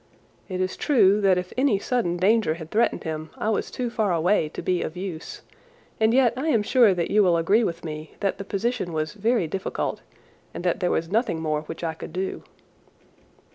It is true that if any sudden danger had threatened him I was too far away to be of use, and yet I am sure that you will agree with me that the position was very difficult, and that there was nothing more which I could do.